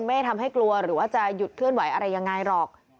ไม่ทำให้กลัวหรือว่าจะหยุดเคลื่อนไหวอะไรยังไงหรอก